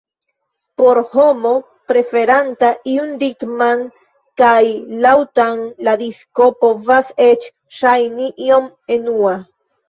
Por homo preferanta ion ritman kaj laŭtan, la disko povas eĉ ŝajni iom enua.